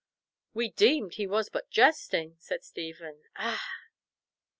"We deemed he was but jesting," said Stephen. "Ah!"